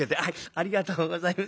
ありがとうございます。